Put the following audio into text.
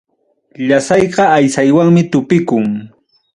Llasayqa aysanwanmi tupikun.